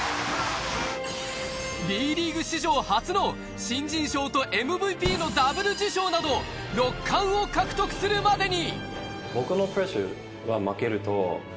Ｂリーグ史上初の新人賞とＭＶＰのダブル受賞など６冠を獲得するまでに！